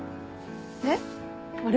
えっ？あれ？